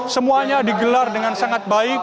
semuanya digelar dengan sangat baik